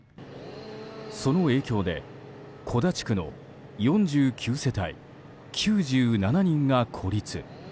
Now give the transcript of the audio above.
その影響で小田地区の４９世帯９７人が孤立。